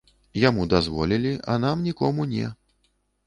Яму дазволілі, а нам нікому не.